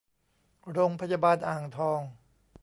โรงพยาบาลอ่างทอง